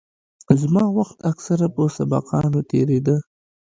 زما وخت اکثره په سبقانو تېرېده.